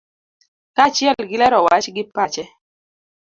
kaachiel gi lero wach gi pache